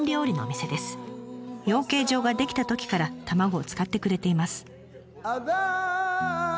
養鶏場が出来たときから卵を使ってくれています。